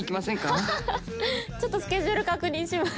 ちょっとスケジュール確認します。